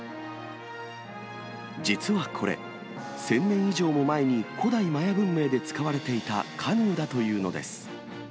実はこれ、１０００年以上も前に古代マヤ文明で使われていたカヌーだというのです。